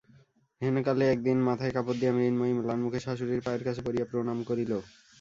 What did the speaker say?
হেনকালে একদিন মাথায় কাপড় দিয়া মৃন্ময়ী ম্লানমুখে শাশুড়ীর পায়ের কাছে পড়িয়া প্রণাম করিল।